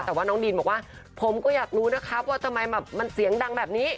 แต่ว่าน้องดีนบอกว่าผมก็อยากรู้นะครับว่าทำไมมันเสียงดังแบบนี้